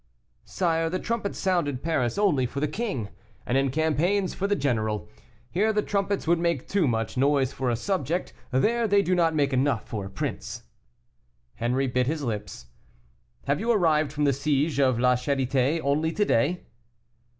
"Sire, the trumpets sound in Paris only for the king, and in campaigns for the general. Here the trumpets would make too much noise for a subject; there they do not make enough for a prince." Henri bit his lips. "Have you arrived from the siege of La Charité only to day?"